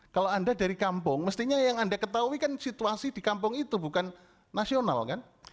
kalau anda dari kampung mestinya yang anda ketahui kan situasi di kampung itu bukan nasional kan